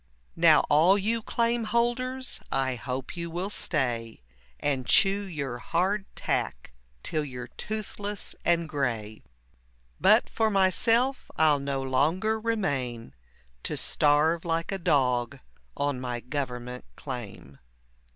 Now all you claim holders, I hope you will stay And chew your hard tack till you're toothless and gray; But for myself, I'll no longer remain To starve like a dog on my government claim.